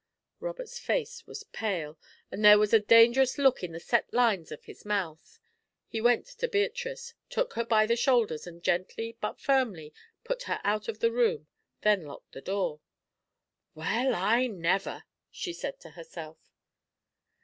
Robert's face was pale, and there was a dangerous look in the set lines of his mouth. He went to Beatrice, took her by the shoulders, and gently, but firmly, put her out of the room, then locked the door. "Well, I never!" she said to herself.